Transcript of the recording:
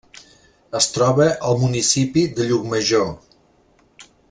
Es troba al municipi de Llucmajor.